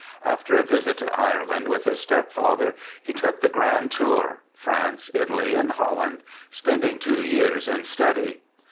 After a visit to Ireland with his stepfather he took the grand tour— France, Italy, and Holland— spending two years in study.